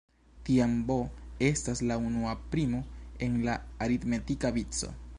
Tiam "b" estas la unua primo en la aritmetika vico.